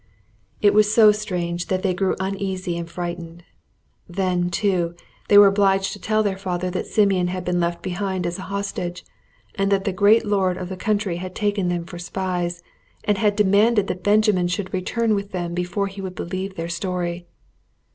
It was so strange that they grew uneasy and frightened. Then, too, they were obliged to tell their father that Simeon had been left behind as a hostage, and that the great lord of the country had taken them for spies, and had demanded that Benjamin should return with them before he would believe their story.